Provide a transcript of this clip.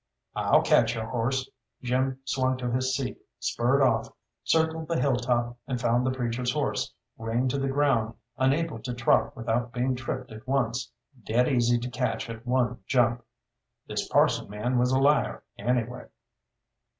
"I'll catch your horse." Jim swung to his seat, spurred off, circled the hilltop, and found the preacher's horse, rein to the ground, unable to trot without being tripped at once, dead easy to catch at one jump. This parson man was a liar, anyway.